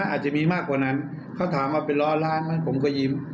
อาจจะมีมากกว่านั้นเขาถามมาเป็นร้อยล้านไหมผมก็ยิ้ม